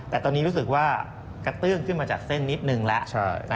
แต่ตอนนี้รู้สึกว่ากระเตื้องขึ้นมาจากเส้นนิดนึงแล้ว